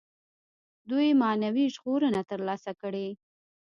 دوی معنوي ژغورنه تر لاسه کړي.